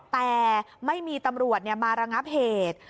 แต่ไม่มีตำรวจมาระงับเหตุ